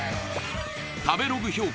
食べログ評価